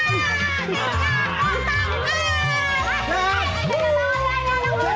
hidup hidup hidup